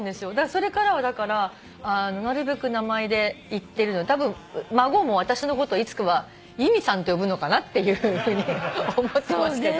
それからはだからなるべく名前で言ってるのでたぶん孫も私のこといつかは「由美さん」って呼ぶのかなっていうふうに思ってますけど。